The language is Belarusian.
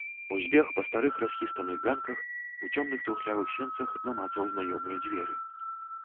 Узбег па старых, расхістаных ганках, у цёмных, трухлявых сенцах намацаў знаёмыя дзверы.